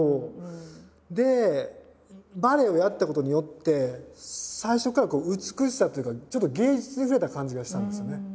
でバレエをやったことによって最初から美しさというかちょっと芸術に触れた感じがしたんですよね